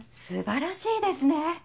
素晴らしいですね。